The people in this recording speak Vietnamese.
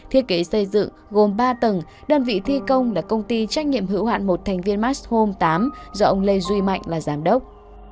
thiết kế xây dựng gồm ba tầng đơn vị thi công là công ty trách nhiệm hữu hạn một thành viên max home tám do ông lê duy mạnh là giám đốc